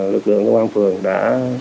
lực lượng công an phường đã